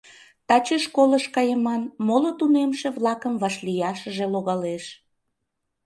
Таче школыш кайыман, моло тунемше-влакым вашлияшыже логалеш.